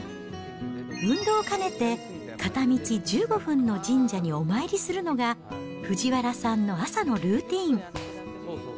運動を兼ねて、片道１５分の神社にお参りするのが、藤原さんの朝のルーティン。